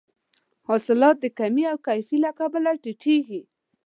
حاصلات د کمې او کیفي له کبله ټیټیږي.